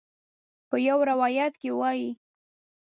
په یو روایت کې وایي.